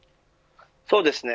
そうですね。